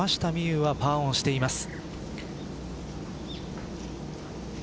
有はパーオンしています。